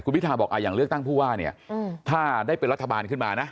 พิทาบอกอย่างเลือกตั้งผู้ว่าเนี่ยถ้าได้เป็นรัฐบาลขึ้นมานะ